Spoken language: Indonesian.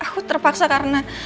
aku terpaksa karena